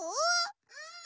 うん。